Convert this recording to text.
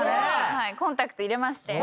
コンタクト入れまして。